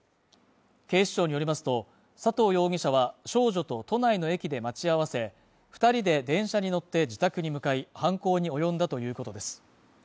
警視庁によりますと、佐藤容疑者は少女と都内の駅で待ち合わせ、２人で電車に乗って自宅に向かい、犯行に及んだということです。